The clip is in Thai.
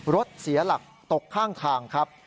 รถเสียหลักตกข้างทางครับ